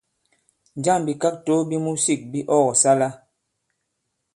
Njâŋ bìkakto bi musik bi ɔ kɔ̀sala ?